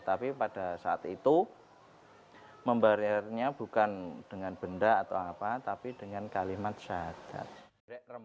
tapi pada saat itu membayarnya bukan dengan benda atau apa tapi dengan kalimat zakat